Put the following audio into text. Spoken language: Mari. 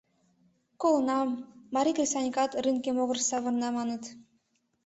Колынам, марий кресаньыкат рынке могырыш савырна, маныт.